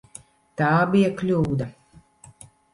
Tā bija kļūda.